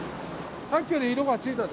さっきより色がついたでしょ？